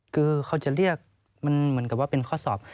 คือเขาจะเรียกมันเหมือนกับว่าเป็นข้อสอบ